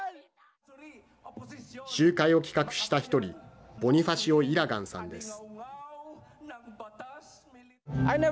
集会を企画した１人ボニファシオ・イラガンさんです。